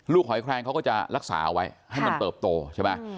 หอยแคลงเขาก็จะรักษาไว้ให้มันเติบโตใช่ไหม